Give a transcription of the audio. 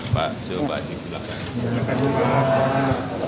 pak jil pak hedi silakan